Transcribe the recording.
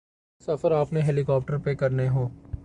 سفر آپ نے ہیلی کاپٹر پہ کرنے ہوں۔